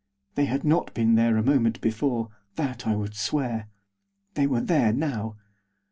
They had not been there a moment before, that I would swear. They were there now.